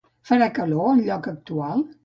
Farà calor al lloc actual?